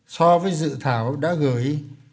so với dự thảo đã gửi